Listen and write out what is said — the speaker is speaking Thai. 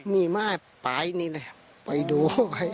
นี่ม่าป่านี่แหละไปดู